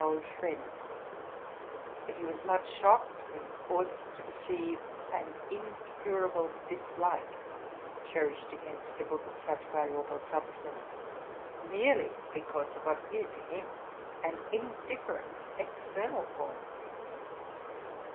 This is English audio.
67 old friend ; but he was much shocked when forced to per ceive an incurable dislike cherished against a book of such valuable substance, merely because of what appeared to him an indifferent external form.